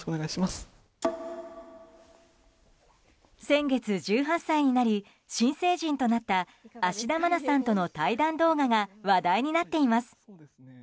先月１８歳になり新成人となった芦田愛菜さんとの対談動画が話題になっています。